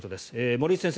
森内先生